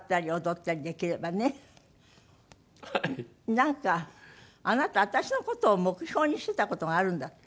なんかあなた私の事を目標にしてた事があるんだって？